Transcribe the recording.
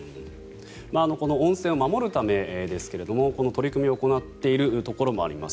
温泉を守るためですが取り組みを行っているところもあります。